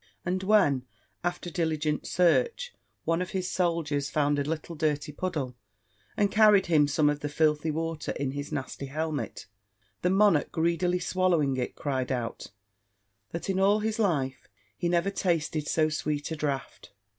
And when, after diligent search, one of his soldiers found a little dirty puddle, and carried him some of the filthy water in his nasty helmet, the monarch greedily swallowing it, cried out, that in all his life he never tasted so sweet a draught!